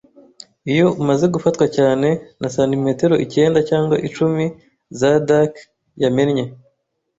Iyo umaze gufatwa cyane, na santimetero icyenda cyangwa icumi za dirk yamennye